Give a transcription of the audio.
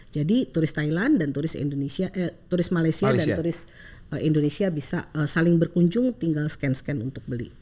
jadi turis thailand dan turis indonesia eh turis malaysia dan turis indonesia bisa saling berkunjung tinggal scan scan untuk beli